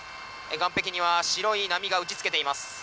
岸壁には白い波が打ちつけています。